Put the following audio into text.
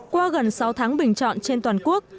qua gần sáu tháng bình chọn trên toàn quốc